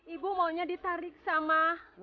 ibu maunya ditarik sama